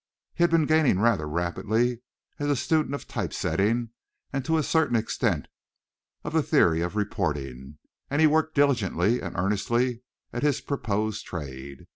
He had been gaining rather rapidly as a student of type setting, and to a certain extent of the theory of reporting, and he worked diligently and earnestly at his proposed trade.